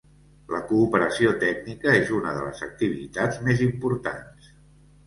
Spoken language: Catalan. La cooperació tècnica és una de les activitats més importants.